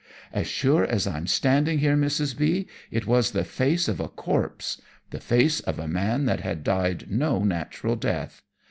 As sure as I'm standing here, Mrs. B , it was the face of a corpse the face of a man that had died no natural death.